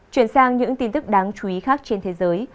chuyển sang những tin tức đáng chú ý khác trên thế giới